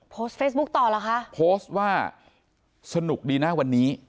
โพสต์เฟซบุ๊คต่อหรือคะ